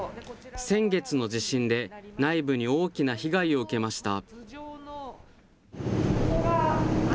先月の地震で内部に大きな被害を受けました。